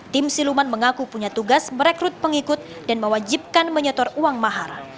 tim siluman mengaku punya tugas merekrut pengikut dan mewajibkan menyetor uang mahar